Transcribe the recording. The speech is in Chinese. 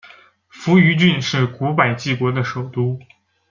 扶余郡是古百济国的首都。